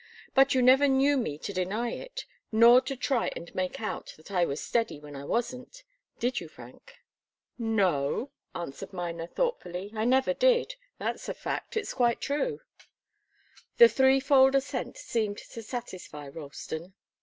But you never knew me to deny it, nor to try and make out that I was steady when I wasn't. Did you, Frank?" "No," answered Miner, thoughtfully. "I never did. That's a fact. It's quite true." The threefold assent seemed to satisfy Ralston.